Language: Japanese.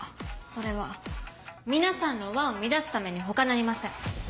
それは皆さんの輪を乱すためにほかなりません。